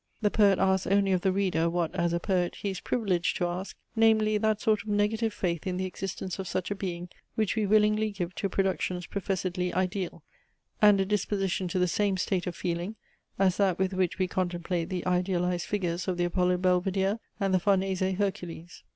The poet asks only of the reader, what, as a poet, he is privileged to ask: namely, that sort of negative faith in the existence of such a being, which we willingly give to productions professedly ideal, and a disposition to the same state of feeling, as that with which we contemplate the idealized figures of the Apollo Belvidere, and the Farnese Hercules.